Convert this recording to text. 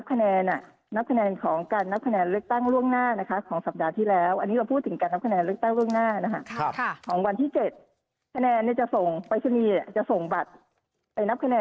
ไปเห็นการนับคะแนนที่เขตไหนนะคะ